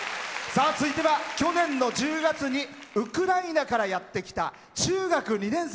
続いては去年の１０月にウクライナからやってきた中学２年生。